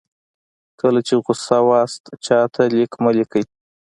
کله چې غوسه وئ چاته لیک مه لیکئ.